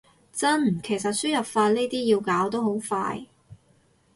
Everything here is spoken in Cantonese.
真，其實輸入法呢啲要搞都好快